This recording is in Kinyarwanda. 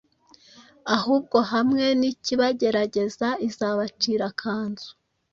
ahubwo hamwe n’ikibagerageza izabacira akanzu,